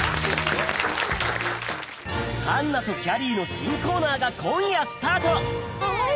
環奈ときゃりーの新コーナーが今夜スタート！